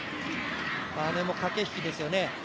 あれも駆け引きですよね。